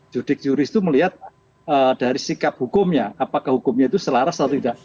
judik juris itu melihat dari sikap hukumnya apakah hukumnya itu selaras atau tidak